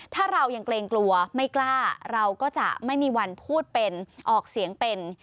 ถ้าเรายังเกรงกลัวไม่กล้าเราก็จะไม่มีวันพูดเป็นออกเสียงเป็น